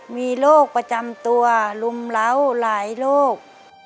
มีโรคประจำตัวรุมเล้าหลายโรค